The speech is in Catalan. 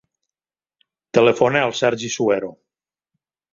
Telefona al Sergi Suero.